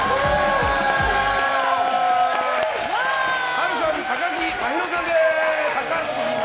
波瑠さん、高杉真宙さんです！